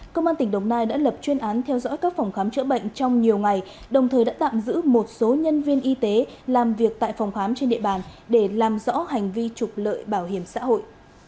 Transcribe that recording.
công an tỉnh đồng nai đã lập chuyên án theo dõi các phòng khám chữa bệnh trong nhiều ngày đồng thời đã tạm giữ một số nhân viên y tế làm việc tại phòng khám trên địa bàn để làm rõ hành vi trục lợi bảo hiểm xã hội